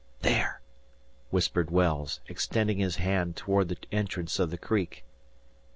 "There!" whispered Wells, extending his hand toward the entrance of the creek.